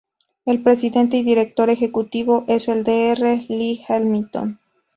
El presidente y director ejecutivo es el Dr. Lee Hamilton.